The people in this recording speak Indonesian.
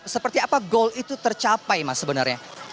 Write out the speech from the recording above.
seperti apa goal itu tercapai mas sebenarnya